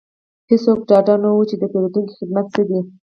هیڅوک ډاډه نه وو چې د پیرودونکو خدمت څه دی